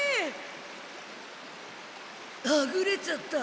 はぐれちゃった。